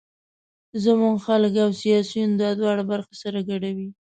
زموږ خلک او سیاسون دا دواړه برخې سره ګډوي.